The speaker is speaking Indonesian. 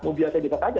mau biasa dikatakan aja